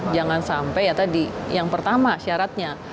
jangan sampai ya tadi yang pertama syaratnya